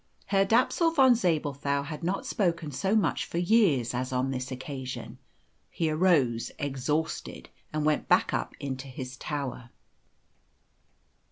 Herr Dapsul von Zabelthau had not spoken so much for years as on this occasion. He arose exhausted, and went back up into his tower.